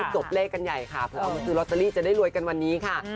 จบเลขกันใหญ่ค่ะเผื่อเอามาซื้อลอตเตอรี่จะได้รวยกันวันนี้ค่ะ